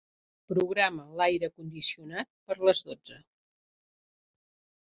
Programa l'aire condicionat per a les dotze.